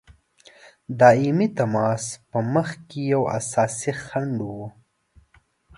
دایمي تماس په مخکي یو اساسي خنډ وو.